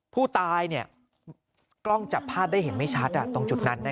ผู้ตายเนี่ยกล้องจับภาพได้เห็นไม่ชัดตรงจุดนั้นนะ